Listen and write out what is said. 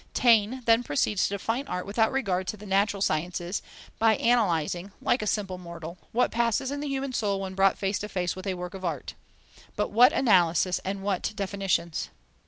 Taine then proceeds to define art without regard to the natural sciences, by analysing, like a simple mortal, what passes in the human soul when brought face to face with a work of art. But what analysis and what definitions!